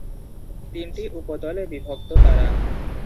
তিনটি উপদলে বিভক্ত তারা।